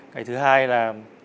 cái thứ hai là